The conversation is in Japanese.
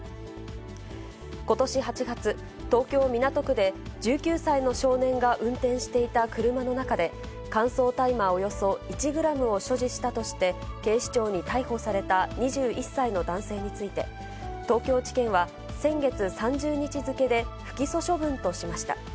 ことし８月、東京・港区で１９歳の少年が運転していた車の中で、乾燥大麻およそ１グラムを所持したとして、警視庁に逮捕された２１歳の男性について、東京地検は先月３０日付けで不起訴処分としました。